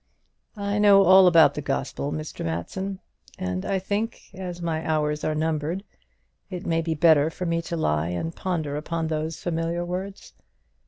I know all about the gospel, Mr. Matson; and I think, as my hours are numbered, it may be better for me to lie and ponder upon those familiar words.